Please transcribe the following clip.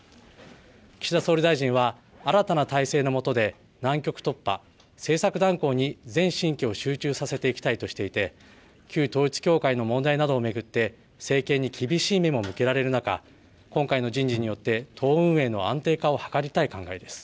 岸田総理大臣は新たな体制のもとで難局突破、政策断行に全神経を集中させていきたいとしていて旧統一教会の問題などを巡って政権に厳しいも向けられる中、今回の人事によって党運営の安定化を図りたい考えです。